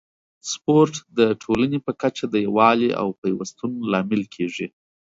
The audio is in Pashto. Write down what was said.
سپورت د ټولنې په کچه د یووالي او پیوستون لامل کیږي.